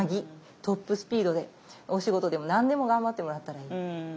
トップスピードでお仕事でも何でも頑張ってもらったらいい。